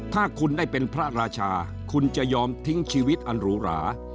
ถ้าคุณได้เป็นพระราชาคุณจะยอมทิ้งชีวิตอันหรูหรา